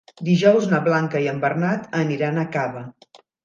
Dijous na Blanca i en Bernat aniran a Cava.